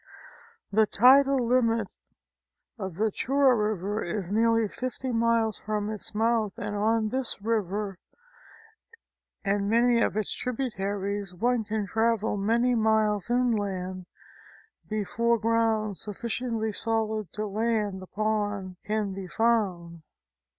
The tidal limit of the Tuyra River is neai'ly fifty miles from its mouth, and on this river and A Trip to Panama and Darien. 303 many of its tributaries one can travel many miles inland before ground sufficiently solid to land upon can be found.